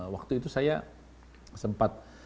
waktu itu saya sempat